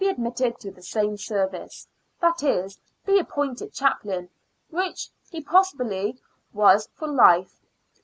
admitted to the same service "— that is, be appointed chaplain, which he possibly was for life.